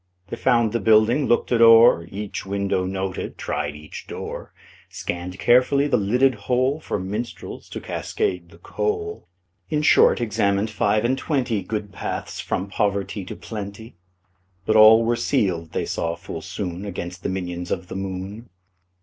They found the building, looked it o'er, Each window noted, tried each door, Scanned carefully the lidded hole For minstrels to cascade the coal In short, examined five and twenty Good paths from poverty to plenty. But all were sealed, they saw full soon, Against the minions of the moon.